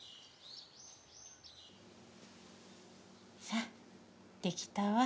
さあできたわ。